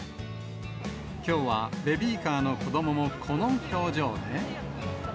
きょうはベビーカーの子どももこの表情で。